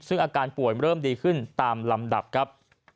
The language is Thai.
ซึ่งอาการป่วยเริ่มดีขึ้นตามลำดับครับ